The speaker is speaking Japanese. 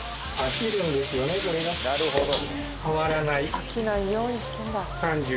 飽きないようにしてるんだ。